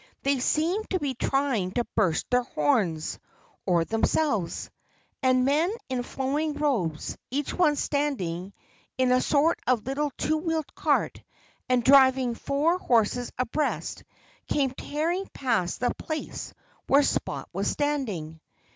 They seemed to be trying to burst their horns or themselves. And men in flowing robes, each one standing in a sort of little two wheeled cart and driving four horses abreast, came tearing past the place where Spot was standing.